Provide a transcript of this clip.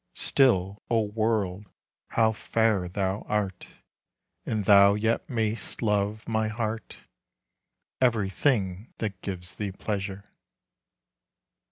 Still, O world, how fair thou art! And thou yet may'st love, my heart, Everything that gives thee pleasure.